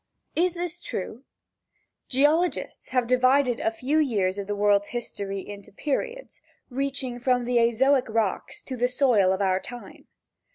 Is this true? Geologists have divided a few years of the worlds history into periods, reaching from the azoic rocks to the soil of our time.